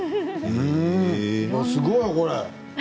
すごいこれ。